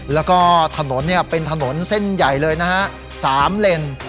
แล้วก็ถนนเนี่ยเป็นถนนเส้นใหญ่เลยนะฮะ๓เลน